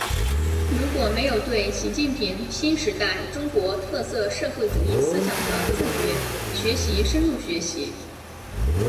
如果没有对习近平新时代中国特色社会主义思想的自觉学习深入学习